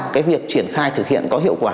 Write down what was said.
cái việc triển khai thực hiện có hiệu quả